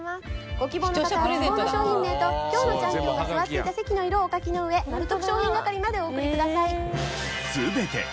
ご希望の方は希望の賞品名と今日のチャンピオンが座っていた席の色をお書きの上まる得賞品係までお送りください。